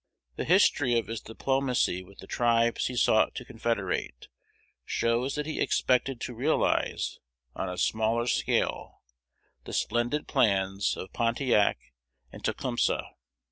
The history of his diplomacy with the tribes he sought to confederate shows that he expected to realize on a smaller scale the splendid plans of Pontiac and Tecumseh.